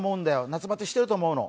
夏バテしてると思うの。